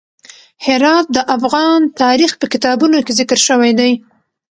هرات د افغان تاریخ په کتابونو کې ذکر شوی دي.